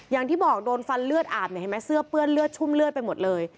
อย่างที่บอกโดนฟันเลือดอาบเนี่ยเห็นไหมเสื้อเปื้อนเลือดชุ่มเลือดไปหมดเลย